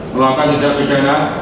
melakukan hidup pidana